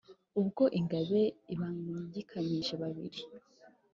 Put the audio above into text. Ubwo Ingabe ibangikanyije babiri !